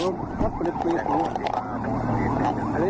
เมื่อเวลาเมื่อเวลาเมื่อเวลาเมื่อเวลา